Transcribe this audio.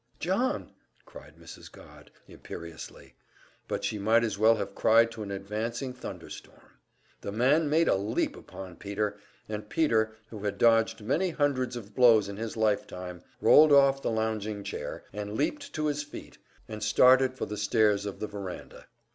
"John!" cried Mrs. Godd, imperiously; but she might as well have cried to an advancing thunder storm. The man made a leap upon Peter, and Peter, who had dodged many hundreds of blows in his lifetime, rolled off the lounging chair, and leaped to his feet, and started for the stairs of the veranda.